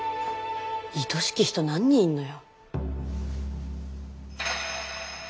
愛しき人何人いんのよ。